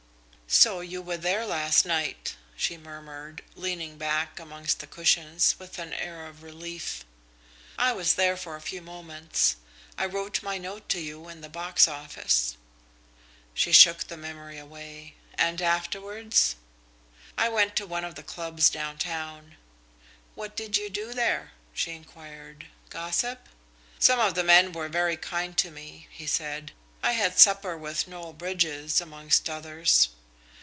"So you were there last night?" she murmured, leaning back amongst the cushions with an air of relief. "I was there for a few moments. I wrote my note to you in the box office." She shook the memory away. "And afterwards?" "I went to one of the clubs down town." "What did you do there?" she enquired. "Gossip?" "Some of the men were very kind to me," he said. "I had supper with Noel Bridges, amongst others."